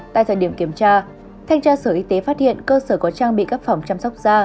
tại thời điểm kiểm tra thanh tra sở y tế phát hiện cơ sở có trang bị các phòng chăm sóc da